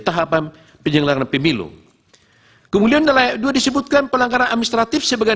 tahapan penyelenggara pemilu kemudian dalam dua disebutkan pelanggaran administratif sebagai